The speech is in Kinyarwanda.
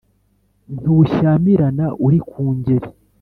Ntushyamirana uri ku ngeri,